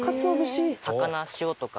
魚塩とか。